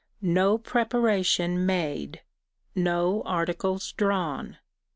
No preparation made. No articles drawn.